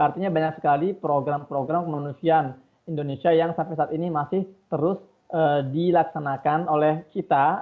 artinya banyak sekali program program kemanusiaan indonesia yang sampai saat ini masih terus dilaksanakan oleh kita